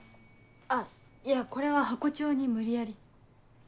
あっいやこれはハコ長に無理やり。